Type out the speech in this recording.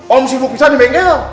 om sibuk pisah nih bengkel